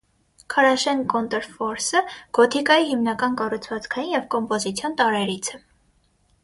Քարաշեն կոնտրֆորսը գոթիկայի հիմնական կառուցվածքային և կոմպոզիցիոն տարրերից է։